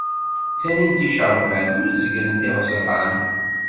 Ttalint iceṛfan, ur zegrent iɣwezṛan.